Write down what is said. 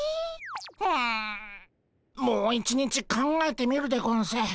うんもう一日考えてみるでゴンス。